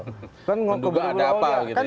mengubah ada apa gitu ya